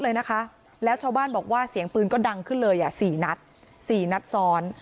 เลยนะคะแล้วชาวบ้านบอกว่าเสียงปืนก็ดังขึ้นเลยอ่ะสี่นัดสี่นัดซ้อน